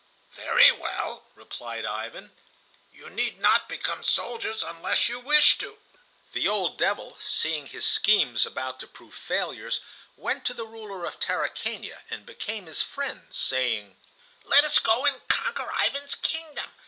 "Very well," replied Ivan, "you need not become soldiers unless you wish to." The old devil, seeing his schemes about to prove failures, went to the ruler of Tarakania and became his friend, saying: "Let us go and conquer Ivan's kingdom.